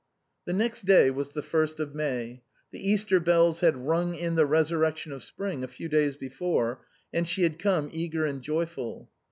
The next day was the first of May. The Easter bells had rung in the resurrection of spring a few days before, and she had come eager and joyful.